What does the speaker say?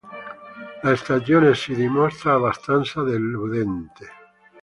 La stagione si dimostra abbastanza deludente.